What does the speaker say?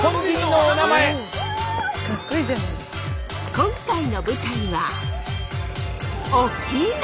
今回の舞台は沖縄！